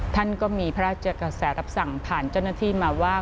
ท่านก็มีพระราชกระแสรับสั่งผ่านเจ้าหน้าที่มาว่า